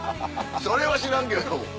それは知らんけども。